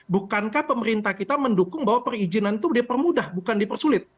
bukankah pemerintah kita mendukung bahwa perizinan itu dipermudah bukan dipersulit